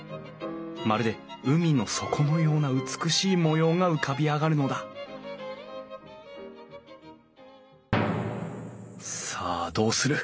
まるで海の底のような美しい模様が浮かび上がるのださあどうする？